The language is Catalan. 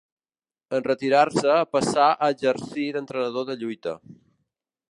En retirar-se passà a exercir d'entrenador de lluita.